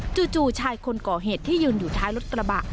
จู่ชายคนก่อเหตุที่ยืนอยู่ท้ายรถกระบะ